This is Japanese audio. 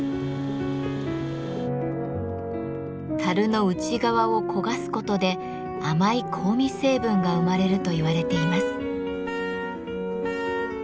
樽の内側を焦がすことで甘い香味成分が生まれると言われています。